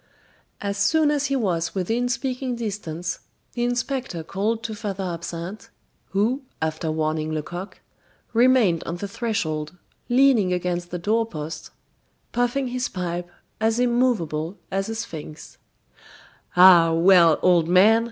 As soon as he was within speaking distance, the inspector called to Father Absinthe, who, after warning Lecoq, remained on the threshold, leaning against the door post, puffing his pipe, as immovable as a sphinx. "Ah, well, old man!"